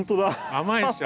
甘いでしょ？